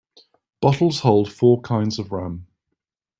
Bottles hold four kinds of rum.